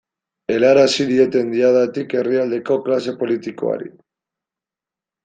Helarazi dieten Diadatik herrialdeko klase politikoari.